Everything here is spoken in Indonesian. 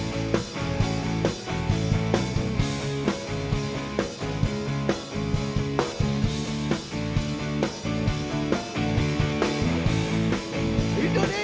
setidak menenang itu melintasi nyamik